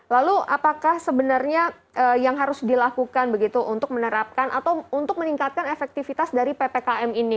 lalu apakah sebenarnya yang harus dilakukan begitu untuk menerapkan atau untuk meningkatkan efektivitas dari ppkm ini